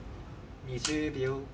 ２０秒。